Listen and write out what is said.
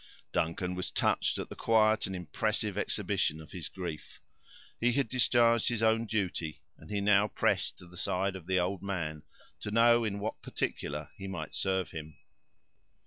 Duncan was touched at the quiet and impressive exhibition of his grief. He had discharged his own duty, and he now pressed to the side of the old man, to know in what particular he might serve him.